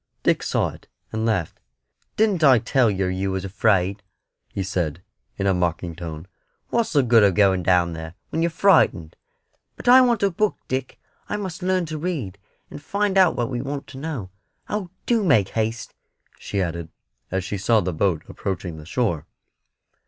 Dick saw it, and laughed. "Didn't I tell yer you was afraid," he said, in a mocking tone; "what's the good of going down there, when you're frightened?" "But I want a book, Dick; I must learn to read, and find out what we want to know. Oh, do make haste!" she added, as she saw the boat approaching the shore.